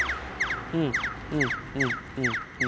うんうんうんうん。